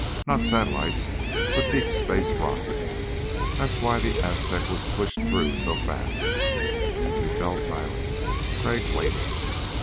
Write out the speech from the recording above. Not satellites but deep space rockets. That's why the Aztec was pushed through so fast." He fell silent. Crag waited.